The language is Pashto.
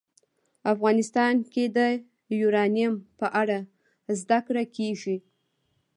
افغانستان کې د یورانیم په اړه زده کړه کېږي.